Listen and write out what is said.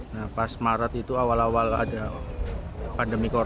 nah pas maret itu awal awal ada pandemi corona